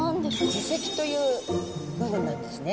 耳石という部分なんですね。